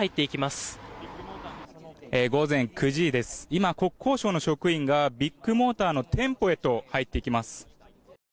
今、国交省の職員がビッグモーターの店舗へと入っていきます。